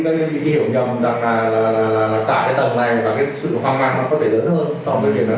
còn bởi vì nó chỉ là một cá bộ